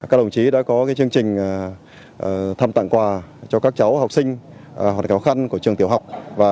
các đồng chí đã có chương trình thăm tặng quà cho các cháu học sinh hoàn cảnh khó khăn của trường tiểu học